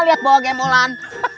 liat bawa gembolan